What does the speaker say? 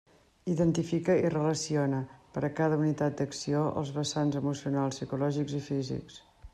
Identifica i relaciona, per a cada unitat d'acció, els vessants emocionals, psicològics i físics.